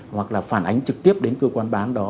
hoặc là phản ánh trực tiếp đến cơ quan báo đó